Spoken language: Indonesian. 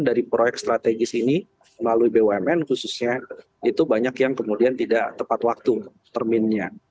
dari proyek strategis ini melalui bumn khususnya itu banyak yang kemudian tidak tepat waktu terminnya